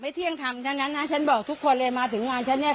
ไม่เที่ยงธรรมนั้นน่ะนะฉันบอกทุกคนเลยมาถึงวันคนหนึ่ง